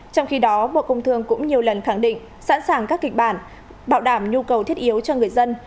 trong khi đó bộ công thương cũng nhiều lần khẳng định sẵn sàng các kịch bản bảo đảm nhu cầu thiết yếu cho người dân